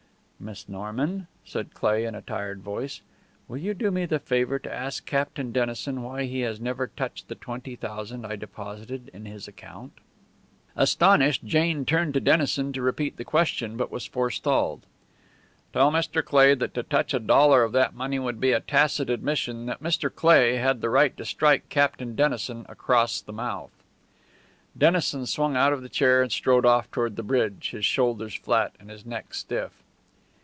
"Miss Norman," said Cleigh in a tired voice, "will you do me the favour to ask Captain Dennison why he has never touched the twenty thousand I deposited to his account?" Astonished, Jane turned to Dennison to repeat the question, but was forestalled. "Tell Mr. Cleigh that to touch a dollar of that money would be a tacit admission that Mr. Cleigh had the right to strike Captain Dennison across the mouth." Dennison swung out of the chair and strode off toward the bridge, his shoulders flat and his neck stiff.